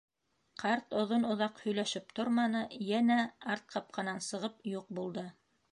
- Ҡарт оҙон-оҙаҡ һөйләшеп торманы, йәнә арт ҡапҡанан сығып юҡ булды.